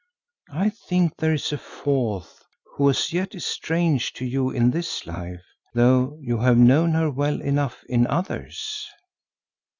I think there is a fourth who as yet is strange to you in this life, though you have known her well enough in others."